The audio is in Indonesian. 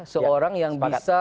seorang yang bisa